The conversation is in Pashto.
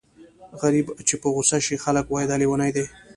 غريب چې په غوسه شي خلک وايي دا لېونی دی.